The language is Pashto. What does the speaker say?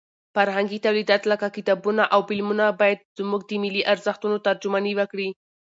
فرهنګي تولیدات لکه کتابونه او فلمونه باید زموږ د ملي ارزښتونو ترجماني وکړي.